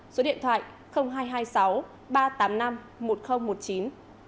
số điện thoại hai trăm hai mươi sáu ba trăm tám mươi năm một nghìn một mươi chín